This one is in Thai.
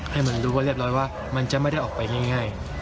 ให้มันรู้ว่าเรียบร้อยว่ามันจะไม่ได้ออกไปง่าย